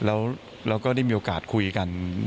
แล้วก็ได้มีโอกาสคุยกัน